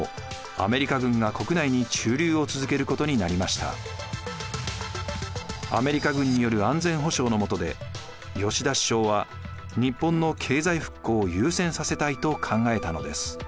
アメリカ軍による安全保障の下で吉田首相は日本の経済復興を優先させたいと考えたのです。